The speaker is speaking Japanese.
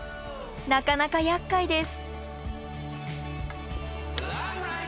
なかなかやっかいです。